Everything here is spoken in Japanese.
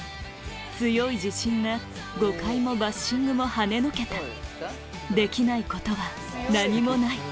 強い自信が誤解もバッシングもはねのけた「できないことは何もない」